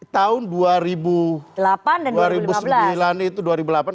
tahun dua ribu delapan dan dua ribu lima belas